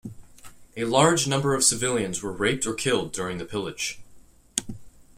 A large number of civilians were raped or killed during the pillage.